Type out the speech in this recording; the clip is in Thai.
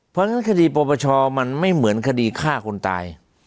เพราะฉะนั้นคดีปรปชมันไม่เหมือนคดีฆ่าคนตาย